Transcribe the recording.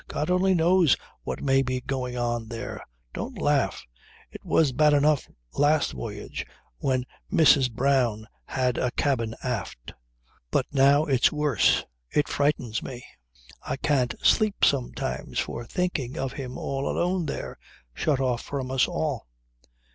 God only knows what may be going on there ... Don't laugh ... It was bad enough last voyage when Mrs. Brown had a cabin aft; but now it's worse. It frightens me. I can't sleep sometimes for thinking of him all alone there, shut off from us all."